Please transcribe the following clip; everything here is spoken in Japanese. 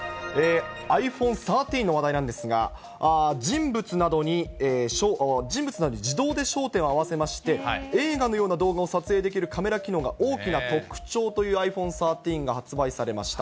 ｉＰｈｏｎｅ１３の話題なんですが、人物などに自動で焦点を合わせまして、映画のような動画撮影できるカメラ機能が大きな特徴というｉＰｈｏｎｅ１３が発売されました。